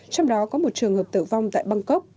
trong đó có một trường hợp tử vong tại bangkok